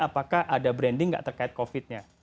apakah ada branding nggak terkait covid nya